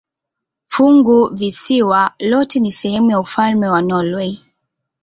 Funguvisiwa lote ni sehemu ya ufalme wa Norwei.